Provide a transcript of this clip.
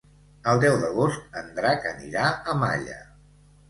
El deu d'agost en Drac anirà a Malla.